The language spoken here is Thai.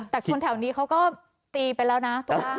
และคนแถวนี้ก็ทีไปแล้วนะ